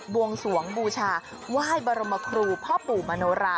วงสวงบูชาไหว้บรมครูพ่อปู่มโนรา